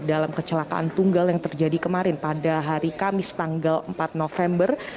dalam kecelakaan tunggal yang terjadi kemarin pada hari kamis tanggal empat november